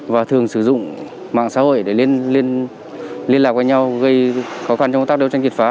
và thường sử dụng mạng xã hội để liên lạc với nhau gây khó khăn trong công tác đấu tranh kiệt phá